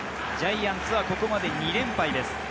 ジャイアンツはここまで２連敗です。